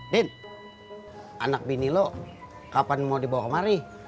din anak bini lo kapan mau dibawa kemari